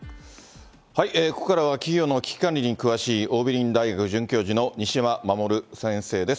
ここからは企業の危機管理に詳しい、桜美林大学准教授の西山守先生です。